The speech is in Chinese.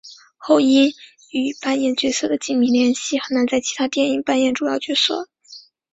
后因与扮演角色的紧密联系很难在其他电影扮演主要角色。